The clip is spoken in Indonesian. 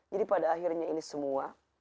jadi pada akhirnya ini semua